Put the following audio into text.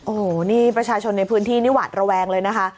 โอ้โหนี่ประชาชนในพื้นที่นี่หวาดระแวงเลยนะคะ